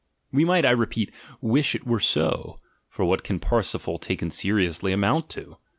We might, I repeat, wish it were so, for what can Parsifal, taken seriously, amount to?